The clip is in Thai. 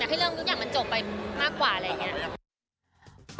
ให้เรื่องทุกอย่างมันจบไปมากกว่าอะไรอย่างนี้